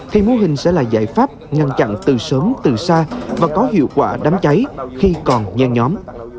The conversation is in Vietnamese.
thì mô hình sẽ là giải pháp ngăn chặn từ sớm từ xa và có hiệu quả đám cháy khi còn nhen nhóm